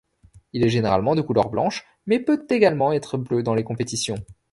Il est généralement de couleur blanche mais peut également être bleu dans les compétitions.